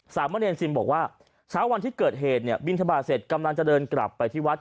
สามะเนรซิมบอกว่าเช้าวันที่เกิดเหตุเนี่ยบินทบาทเสร็จกำลังจะเดินกลับไปที่วัด